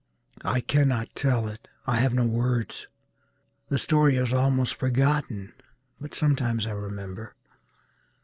I cannot tell it. I have no words. The story is almost forgotten but sometimes I remember.